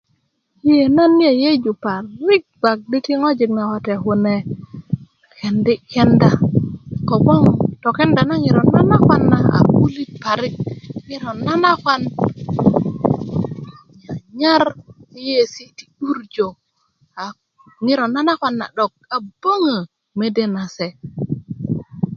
ee nan yeyeju parik gbak di ti ŋojik na wate kune kendi' kenda ko gboŋ tokenda na ŋiro nanakwan na a 'bulit parik ŋiro nanakwan nyanyar yiyesi ti turjö a ŋiro nanakwan 'dok a böŋö mede nase